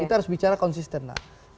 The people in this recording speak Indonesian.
kita harus bicara konsisten lah